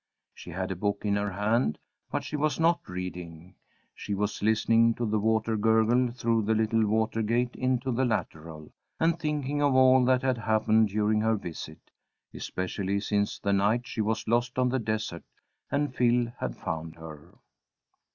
She had a book in her hand, but she was not reading. She was listening to the water gurgle through the little water gate into the lateral, and thinking of all that had happened during her visit, especially since the night she was lost on the desert, and Phil had found her.